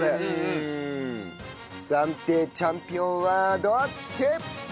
暫定チャンピオンはどっち！？